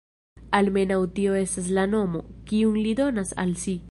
Almenaŭ tio estas la nomo, kiun li donas al si.